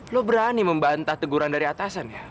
lo berani membantah teguran dari atasan ya